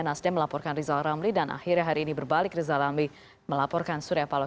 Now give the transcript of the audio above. nasdem melaporkan rizal ramli dan akhirnya hari ini berbalik rizal ramli melaporkan surya paloh